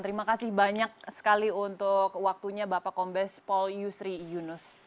terima kasih banyak sekali untuk waktunya bapak kombes pol yusri yunus